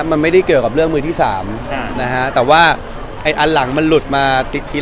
อันหลังมันหลุดมาอีกที